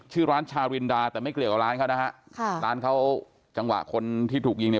ชื่อร้านชารินดาแต่ไม่เกี่ยวกับร้านเขานะฮะค่ะร้านเขาจังหวะคนที่ถูกยิงเนี่ย